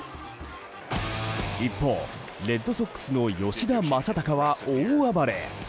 一方、レッドソックスの吉田正尚は大暴れ。